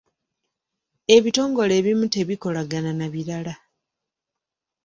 Ebitongole ebimu tebikolagana na birala.